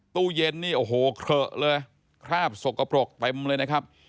ตู้เย็นนี่โอ้โหเขละเลยคราบสกปรกเต็มเลยนะครับ